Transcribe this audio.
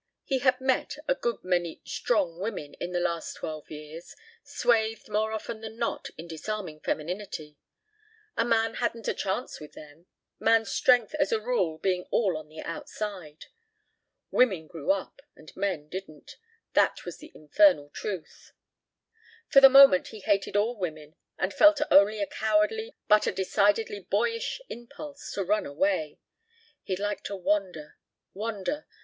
He had met a good many "strong" women in the last twelve years, swathed, more often than not, in disarming femininity. A man hadn't a chance with them, man's strength as a rule being all on the outside. Women grew up and men didn't. That was the infernal truth. For the moment he hated all women and felt not only a cowardly but a decidedly boyish impulse to run away. He'd like to wander ... wander